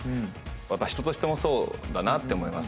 人としてもそうだなって思います